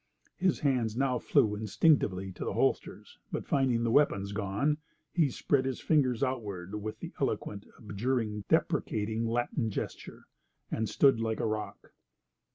His hands now flew instinctively to the holsters, but finding the weapons gone, he spread his fingers outward with the eloquent, abjuring, deprecating Latin gesture, and stood like a rock.